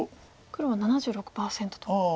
黒は７６％と。